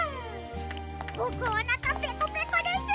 ぼくおなかペコペコです！